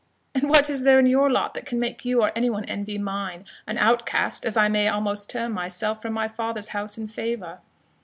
"And what is there in your lot that can make you or any one envy mine, an outcast, as I may almost term myself, from my father's house and favour?"